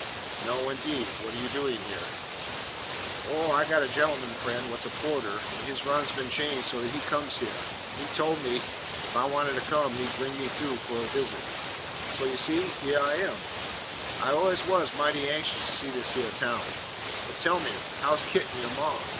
"No, indeed. What you doin' here?" "Oh, I got a gent'man friend what 's a porter, an' his run 's been changed so that he comes hyeah, an' he told me, if I wanted to come he 'd bring me thoo fur a visit, so, you see, hyeah I am. I allus was mighty anxious to see this hyeah town. But tell me, how 's Kit an' yo' ma?"